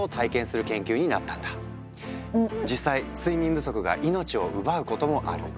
実際睡眠不足が命を奪うこともある。